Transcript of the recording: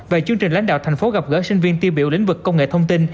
về chương trình lãnh đạo thành phố gặp gỡ sinh viên tiêu biểu lĩnh vực công nghệ thông tin